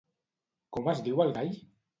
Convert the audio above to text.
Com es diu el gall?